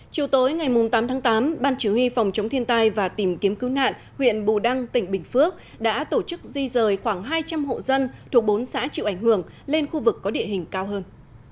chiều tối ngày tám tháng tám ban chỉ huy phòng chống thiên tai và tìm kiếm cứu nạn huyện bù đăng tỉnh bình phước đã tổ chức di rời khoảng hai trăm linh hộ dân thuộc bốn xã chịu ảnh hưởng lên khu vực có địa hình cao hơn